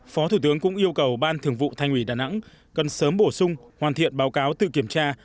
phó thủ tướng cũng yêu cầu ban thường vụ thành ủy đà nẵng cần sớm bổ sung hoàn thiện báo cáo tự kiểm tra